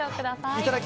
いただき！